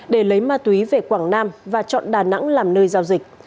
để lấy ma túy về quảng nam và chọn đà nẵng làm nơi giao dịch